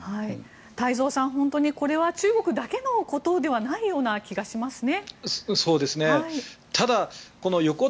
太蔵さん、本当にこれは中国だけのことではないような気がしますね。